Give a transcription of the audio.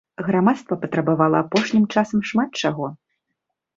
Грамадства патрабавала апошнім часам шмат чаго.